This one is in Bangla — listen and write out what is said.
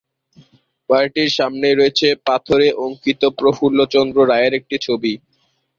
বাড়িটির সামনেই রয়েছে পাথরে অঙ্কিত প্রফুল্ল চন্দ্র রায়ের একটি ছবি।